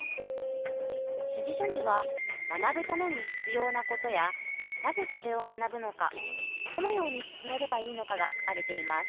指示書には「学ぶために必要なこと」やなぜそれを学ぶのかどのように進めればいいのかが書かれています。